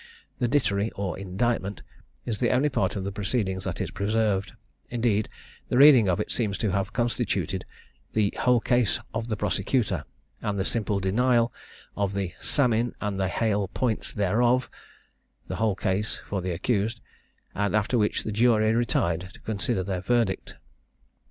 The dittory or indictment is the only part of the proceedings that is preserved; indeed, the reading of it seems to have constituted the whole case of the prosecutor, and the simple denial of the "samin and the haill poyntis thereof," the whole case for the accused; after which the jury retired to consider their verdict.